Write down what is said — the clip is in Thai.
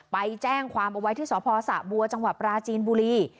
ไปแจ้งความเอาไว้ที่สพสะบัวจังหวัดปราจีนบุรี